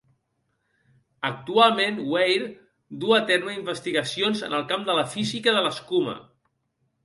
Actualment Weaire duu a terme investigacions en el camp de la física de l'escuma.